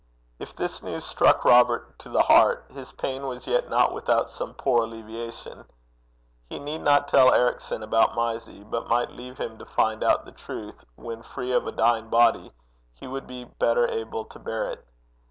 If this news struck Robert to the heart, his pain was yet not without some poor alleviation: he need not tell Ericson about Mysie, but might leave him to find out the truth when, free of a dying body, he would be better able to bear it.